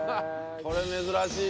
これ珍しいね。